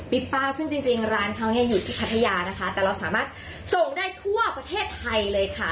ปิ๊ปป้าร้านเขานี้อยู่ที่ปัทยาแต่เราสามารถส่งได้ทั่วประเทศไทยเลยค่ะ